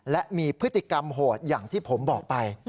และมีพฤติกรรมโหดอย่างที่ผมบอกไป